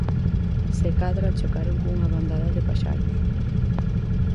Se cadra chocaron cunha bandada de paxaros.